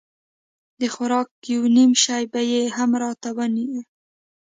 د خوراک يو نيم شى به يې هم راته رانيوه.